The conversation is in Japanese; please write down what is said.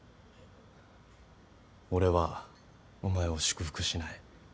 俺はお前を祝福しない。